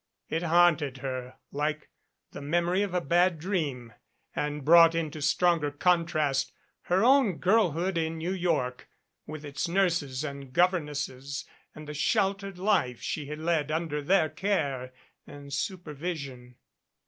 It haunted her like the memory of a bad dream and brought into stronger contrast her own girlhood in New York, with its nurses and governesses and the sheltered life she had led under their care and supervision.